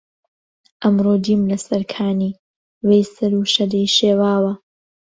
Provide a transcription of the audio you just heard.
ئەمڕۆ دیم لەسەر کانی وەی سەر و شەدەی شێواوە